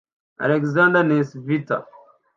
Alexander Nesvit